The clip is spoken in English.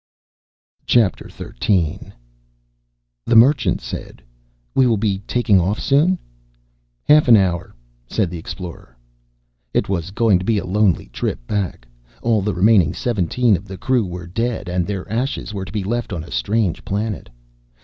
XIII The Merchant said, "Will we be taking off soon?" "Half an hour," said the Explorer. It was going to be a lonely trip back. All the remaining seventeen of the crew were dead and their ashes were to be left on a strange planet.